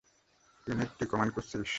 Unit তুই command করছিস।